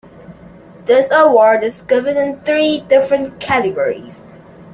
This award is given in three different categories.